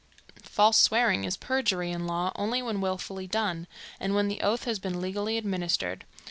False swearing is perjury in law only when willfully done, and when the oath has been legally administered.